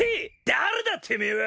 誰だてめえは！